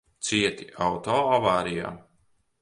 Cieti auto avārijā?